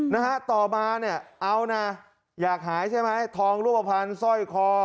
นะฮะต่อมาเนี่ยเอานะอยากหายใช่ไหมทองรูปภัณฑ์สร้อยคอ